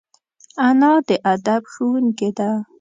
انا د ادب ښوونکې ده